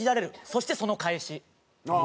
「そしてその返し」